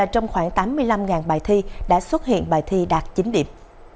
trong bài thi đã xuất hiện bài thi đạt chín điểm